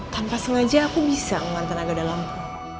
tanpa sengaja aku bisa ngeluarin tenaga dalammu